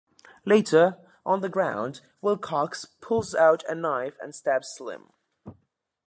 Later, on the ground, Wilcox pulls out a knife and stabs Slim.